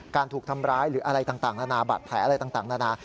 ถูกทำร้ายหรืออะไรต่างนานาบาดแผลอะไรต่างนานา